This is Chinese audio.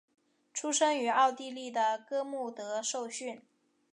出生于奥地利的哥穆德受训。